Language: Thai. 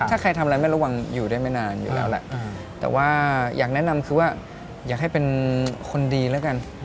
ถ้าใครทำอะไรไม่ระวังอยู่ได้ไม่นานอยู่แล้วแหละแต่ว่าอยากแนะนำคือว่าอยากให้เป็นคนดีแล้วกัน